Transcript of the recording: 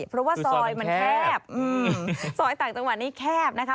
เพราะว่าซอยมันแคบซอยต่างจังหวัดนี้แคบนะคะ